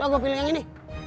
gua pilih yang ini